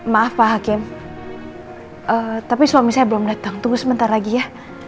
maaf pak hakim tapi suami saya belum datang tunggu sebentar lagi ya